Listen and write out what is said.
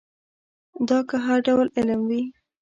دا که هر ډول علم وي.